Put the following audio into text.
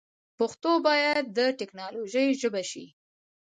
پښتو باید د ټیکنالوژي ژبه سی.